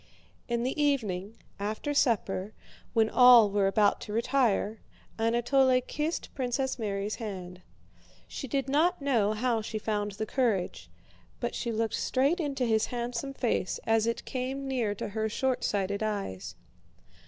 In the evening, after supper, when all were about to retire, Anatole kissed Princess Mary's hand. She did not know how she found the courage, but she looked straight into his handsome face as it came near to her shortsighted eyes.